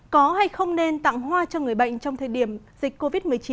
có hay không nên tặng hoa cho người bệnh trong thời điểm dịch covid một mươi chín